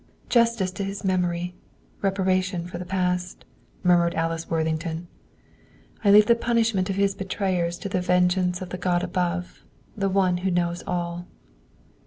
"Justice to his memory, reparation for the past," murmured Alice Worthington. "I leave the punishment of his betrayers to the vengeance of the God above, the One who knows all."